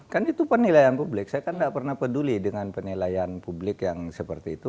kan itu penilaian publik saya kan nggak pernah peduli dengan penilaian publik yang seperti itu